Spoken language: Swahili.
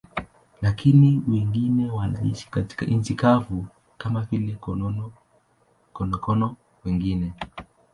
Lakini wengine wanaishi katika nchi kavu, kama vile konokono wengi.